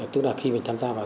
tức là khi mình tham gia vào